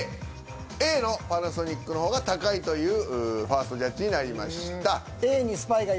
Ａの「パナソニック」の方が高いというファーストジャッジになりました。